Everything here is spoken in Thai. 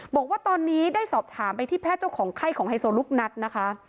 บอกว่าตอนนี้ได้สอบถามไปที่แพทย์เจ้าของไข้ของไฮโซลูกนัดนะคะ